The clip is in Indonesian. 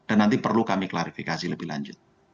dan nanti perlu kami klarifikasi lebih lanjut